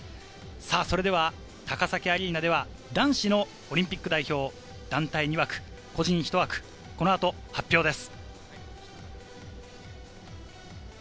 高崎アリーナでは男子のオリンピック代表、団体２枠、個人１枠、この後、発表です。